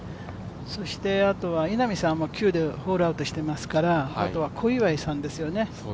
そして稲見さんも９でホールアウトしていますからあとは小祝さんですよね。